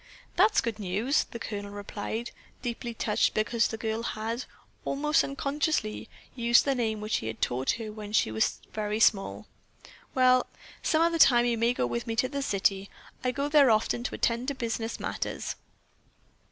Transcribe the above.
"That's good news!" the Colonel replied, deeply touched because the girl had, almost unconsciously, used the name which he had taught her when she was very small. "Well, some other time you may go with me to the city. I go there often to attend to business matters."